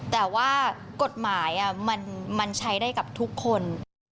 แต่ว่ากฎหมายมันใช้ได้กับทุกคน